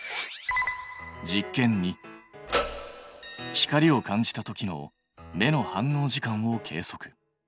光を感じたときの目の反応時間を計測。